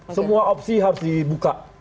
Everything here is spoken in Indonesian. semua opsi harus dibuka